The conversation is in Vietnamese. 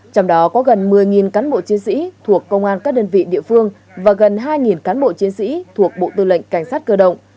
trong đó có gần một mươi cán bộ chiến sĩ thuộc công an các đơn vị địa phương và gần hai cán bộ chiến sĩ thuộc bộ tư lệnh cảnh sát cơ động